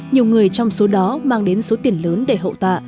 nhiều người trong số đó mang đến số tiền lớn để hậu tạ